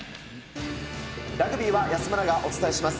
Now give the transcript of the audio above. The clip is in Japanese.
ラグビーは安村がお伝えします。